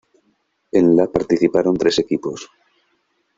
En la participaron tres equipos.